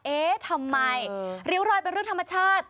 เอ๊ะทำไมริ้วรอยเป็นเรื่องธรรมชาติ